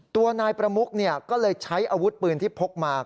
ตัวนายประมุกก็เลยใช้อาวุธปืนที่พกมา